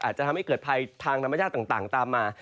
อาจจะทำให้เกิดภัยทางธรรมชาติต่างตามมา